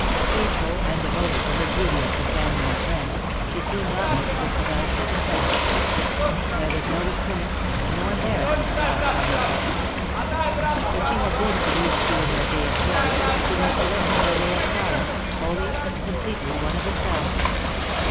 Faithful and devoted to her duty of companion and friend, she seemed almost Christa bel's second self. There was no restraint, no embarrassment, caused by her presence. What she had been to these two in their day of joy, she was to them in their day of sorrow, wholly and com pletely one of themselves.